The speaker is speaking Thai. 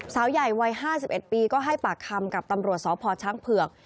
สาวใหญ่วัย๕๑ปีก็ให้ปากคำกับตำรวจสพช้างเผือก